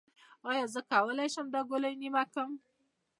ایا زه کولی شم دا ګولۍ نیمه کړم؟